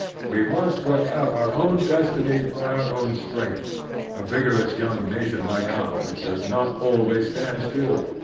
We must work out our own destiny by our own strength. A vigorous young nation like otirs does not always stand still.